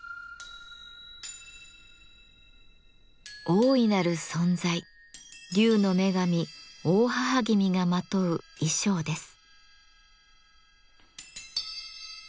大いなる存在竜の女神・大妣君がまとう衣装です。